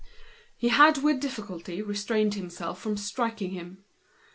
He had with difficulty restrained himself from striking him.